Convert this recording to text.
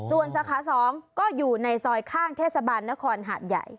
ส่วนสาขา๒ก็อยู่ในซอยข้างเทศบาลนครหาดใหญ่